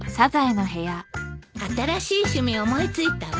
新しい趣味を思い付いたわ。